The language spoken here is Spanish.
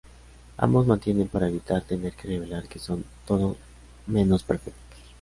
Ambos mienten para evitar tener que revelar que son todo menos perfectos.